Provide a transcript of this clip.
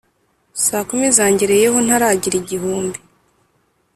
saa kumi zangereyeho ntaragira igihumbi